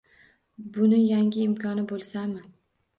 Buni yangi imkoni bo‘lsami…